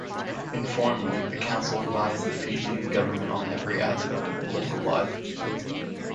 Informally, the Council advised the Fijian government on every aspect of political life.